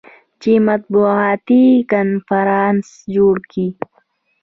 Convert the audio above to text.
چې مطبوعاتي کنفرانس جوړ کي.